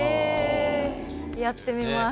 えぇやってみます。